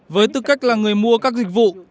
với tư cách là người mua các dịch vụ